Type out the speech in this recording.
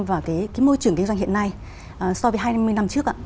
và cái môi trường kinh doanh hiện nay so với hai năm mươi năm trước ạ